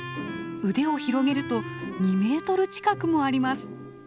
腕を広げると２メートル近くもあります。